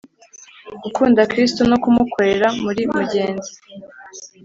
gukunda Kristu no kumukorera muri mugenzi